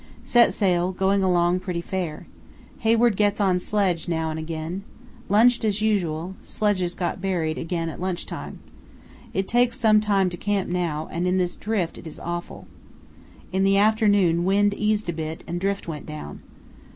Set sail, going along pretty fair. Hayward gets on sledge now and again. Lunched as usual; sledges got buried again at lunch time. It takes some time to camp now, and in this drift it is awful. In the afternoon wind eased a bit and drift went down.